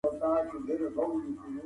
که معلومات بشپړ وي، پرېکړه ګټوره ثابتیږي.